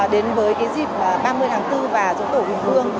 đến với cái dịp ba mươi tháng bốn và chỗ tổ quỳnh vương